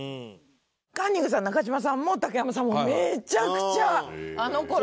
カンニングさん中島さんも竹山さんもめちゃくちゃあの頃はもう。